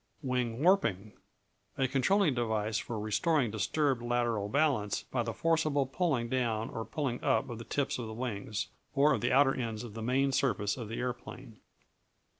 Wing Warping A controlling device for restoring disturbed lateral balance by the forcible pulling down or pulling up of the tips of the wings, or of the outer ends of the main surface of the aeroplane.